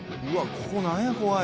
ここなんや怖い。